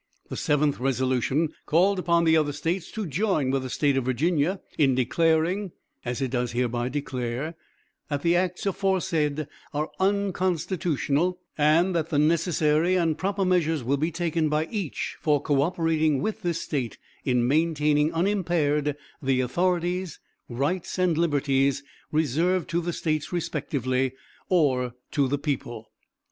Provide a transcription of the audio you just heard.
The seventh resolution called upon the other States to join with the State of Virginia 'in declaring, as it does hereby declare, that the acts aforesaid are unconstitutional, and that the necessary and proper measures will be taken by each for co operating with this State in maintaining unimpaired the authorities, rights and liberties reserved to the States respectively, or to the people.'